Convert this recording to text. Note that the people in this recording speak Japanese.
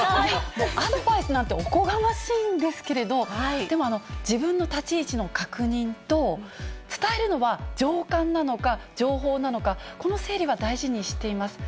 もうアドバイスなんておこがましいんですけど、でも、自分の立ち位置の確認と、伝えるのは情感なのか、情報なのか、この整理は大事にしています。